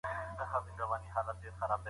انسانان بايد د مال په توګه ونه کارول سي.